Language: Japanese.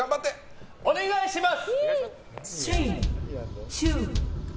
お願いします。